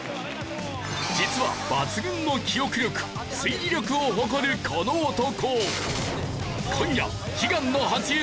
実は抜群の記憶力推理力を誇るこの男。